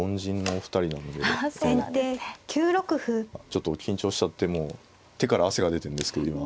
ちょっと緊張しちゃってもう手から汗が出てんですけど今。